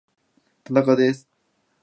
田中です